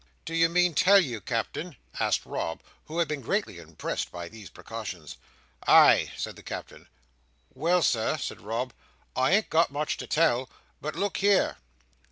"Do you mean, tell you, Captain?" asked Rob, who had been greatly impressed by these precautions. "Ay!" said the Captain. "Well, Sir," said Rob, "I ain't got much to tell. But look here!"